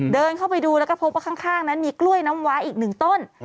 เดินเข้าไปดูแล้วก็พบว่าข้างนั้นมีกล้วยน้ำว้าอีกหนึ่งต้น